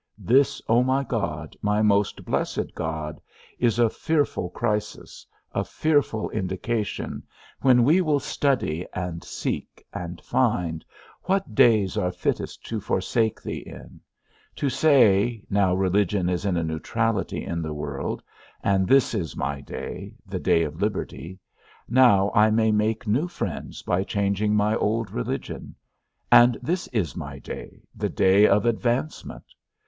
This, O my God, my most blessed God, is a fearful crisis, a fearful indication, when we will study, and seek, and find, what days are fittest to forsake thee in; to say, now religion is in a neutrality in the world, and this is my day, the day of liberty; now I may make new friends by changing my old religion, and this is my day, the day of advancement.